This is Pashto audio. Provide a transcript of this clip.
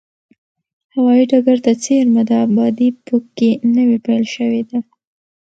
هوایي ډګر ته څېرمه ده، ابادي په کې نوې پیل شوې ده.